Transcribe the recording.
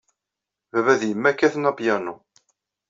Baba ed yemma kkaten apyanu.